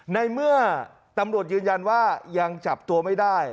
ในเมื่อตำรวจยืนยันว่ายังจับตัวไม่ได้